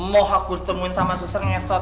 moh aku temuin sama susur nge sot